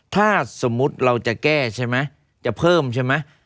ถ้าสมมุติเราจะแก้ใช่ไหมจะเพิ่มใช่ไหม